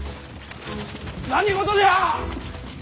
何事じゃ！